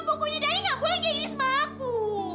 pokoknya dari gak boleh gini sama aku